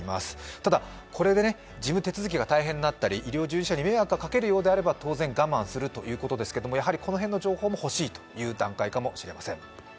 ただ、これで事務手続きが大変になったり医療従事者に迷惑をかけるようなら当然我慢するということですがやはりこの辺の情報も欲しいという段階かもしれません。